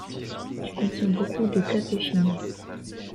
Il contient beaucoup de catéchine.